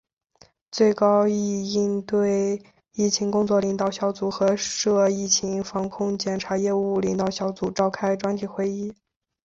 最高检应对疫情工作领导小组和涉疫情防控检察业务领导小组召开专题会议